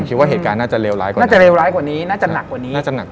ผมคิดว่าเหตุการณ์น่าจะเลวร้ายกว่านี้น่าจะหนักกว่านี้